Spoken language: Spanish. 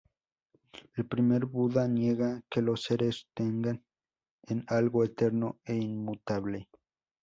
El primer Buda niega que los seres tengan un algo eterno e inmutable.